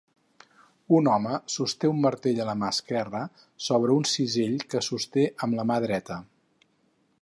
Un home sosté un martell a la mà esquerra sobre un cisell que sosté amb la mà dreta